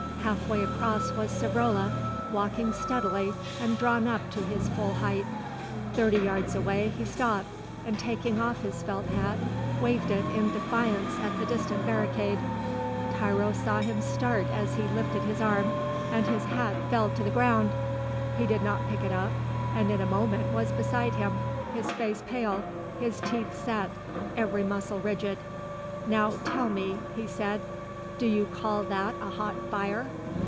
Half way across was Savrola, walking steadily and drawn up to his full height. Thirty yards away he stopped and, taking off his felt hat, waved it in defiance at the distant barricade. Tiro saw him start as he lifted his arm, and his hat fell to the ground. He did not pick it up, and in a moment was beside him, his face pale, his teeth set, every muscle rigid. "Now tell me," he said, "do you call that a hot fire?"